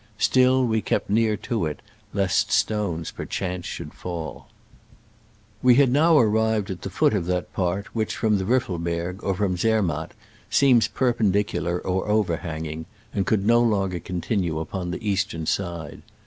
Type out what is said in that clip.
Still, we kept near to it, lest stones per chance might fall. We had now arrived at the foot of that part which, from the Riffelberg or from Zermatt, seems perpendicular or over hanging, and could no longer continue upon the eastern side.